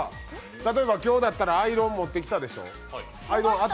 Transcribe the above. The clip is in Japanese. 例えば今日だったらアイロン持ってきたでしょ？